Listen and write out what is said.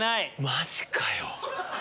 マジかよ！